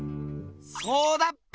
そうだっぺ！